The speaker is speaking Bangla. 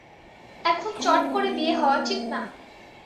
এখন চট করে বিয়ে হওয়া ঠিক না।